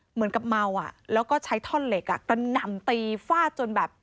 เหมือนกับเมาอ่ะแล้วก็ใช้ท่อนเหล็กอ่ะกระหน่ำตีฟาดจนแบบ